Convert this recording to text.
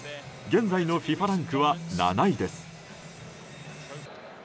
現在のＦＩＦＡランクは７位です。